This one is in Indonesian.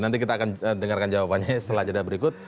nanti kita akan dengarkan jawabannya setelah jeda berikut